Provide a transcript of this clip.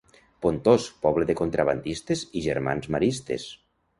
Pontós, poble de contrabandistes i germans maristes.